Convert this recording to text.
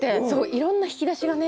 いろんな引き出しがね